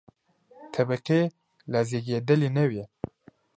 طبقې لا زېږېدلې نه وې.